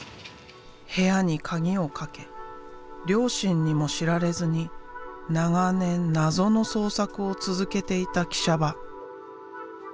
部屋に鍵を掛け両親にも知られずに長年謎の創作を続けていた喜舎場。